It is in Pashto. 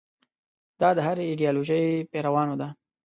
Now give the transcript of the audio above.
دا د هرې ایدیالوژۍ پیروانو ده.